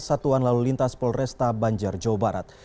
satuan lalu lintas polresta banjar jawa barat